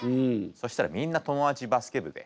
そしたらみんな友達バスケ部で。